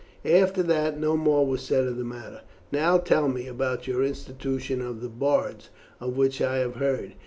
After that no more was said of the matter. Now tell me about your institution of the bards, of which I have heard.